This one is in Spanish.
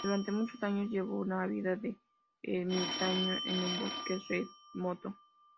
Durante muchos años llevó una vida de ermitaño en un bosque remoto.